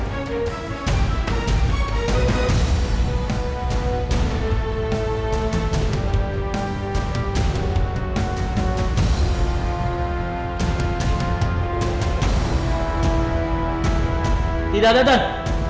tidak ada tan